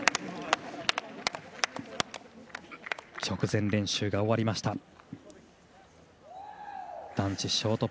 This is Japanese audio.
直前練習が終わりました。